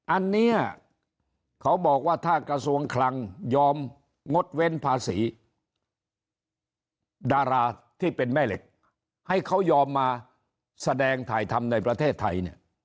อันนี้เขาบอกว่าถ้ากระทรวงคลังยอมงดเว้นภาษีดาราที่เป็นแม่เหล็กให้เขายอมมาแสดงถ่ายทำในประเทศไทยเนี่ย